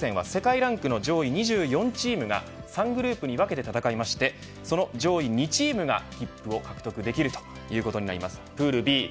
このパリオリンピック予選は世界ランキング上位２４チームが３グループに分けて戦いましてその上位２チームが獲得できるということでございます。